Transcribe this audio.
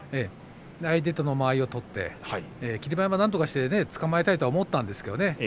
相手との間合いを取って霧馬山、なんとかしてつかまえようと思ったんでしょう